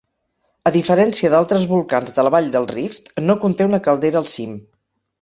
A diferència d'altres volcans de la vall del Rift, no conté una caldera al cim.